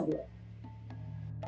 kepala pengelolaan keamanan cyber